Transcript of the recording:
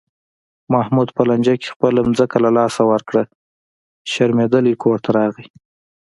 محمود په لانجه کې خپله ځمکه له لاسه ورکړه، شرمېدلی کورته راغی.